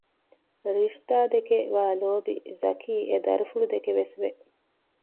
ރިޝްދާ ދެކެ ވާ ލޯބި ޒަކީ އެދަރިފުޅުދެކެވެސް ވެ